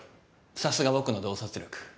さすが僕の洞察力。